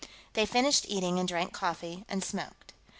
They finished eating, and drank coffee, and smoked.